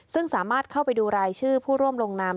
ซึ่งสามารถเข้าไปดูรายชื่อผู้ร่วมลงนาม